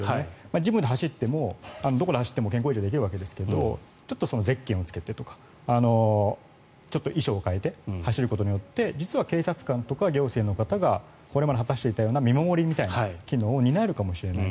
ジムで走ってもどこで走っても健康維持ができるわけですがちょっとゼッケンを着けてとかちょっと衣装を変えて走ることによって実は警察官とか行政の方がこれまで果たしていたような見守りの機能を果たせるかもしれない。